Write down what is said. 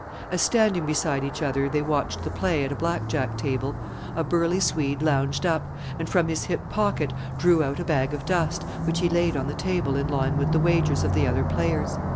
As, standing beside each other, they watched the play at a Black Jack table, a burly Swede lounged up, and from his hip pocket drew out a bag of dust, which he laid on the table in line with the wagers of the other players.